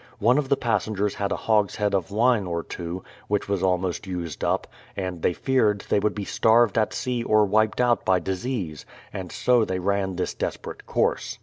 One of the passengers had a hogshead of wine or two, which was alipost used up, and they feared they would be starved at sea or wiped out by disease, — and so they ran this desperate course.